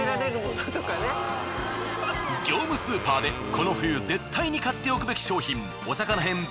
業務スーパーでこの冬絶対に買っておくべき商品お魚編